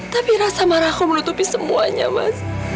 tapi rasa marah aku menutupi semuanya mas